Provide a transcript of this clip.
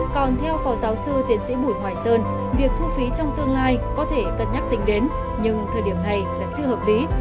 còn theo phó giáo sư tiến sĩ bùi hoài sơn việc thu phí trong tương lai có thể cân nhắc tính đến nhưng thời điểm này là chưa hợp lý